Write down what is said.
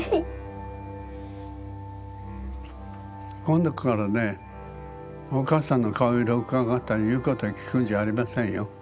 今度からねお母さんの顔色をうかがったり言うこと聞くんじゃありませんよ。